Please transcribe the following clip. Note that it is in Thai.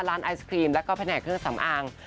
ร้านไอศกรีมแล้วก็แผ่นแห่งเครื่องสำอาง